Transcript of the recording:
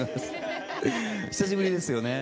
久しぶりですよね。